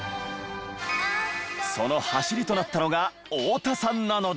その走りとなったのが太田さんなのだ。